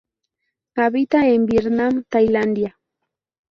Habita en Vietnam Tailandia.